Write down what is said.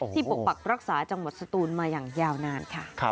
ปกปักรักษาจังหวัดสตูนมาอย่างยาวนานค่ะ